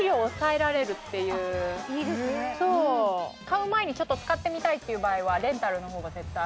買う前にちょっと使ってみたいっていう場合はレンタルの方が絶対。